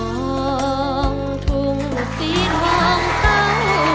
มองถุงฟีนห่องเข้า